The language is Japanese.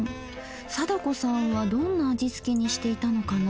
貞子さんはどんな味付けにしていたのかな？